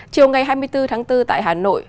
chiều ngày hai mươi bốn tháng bốn tại hà nội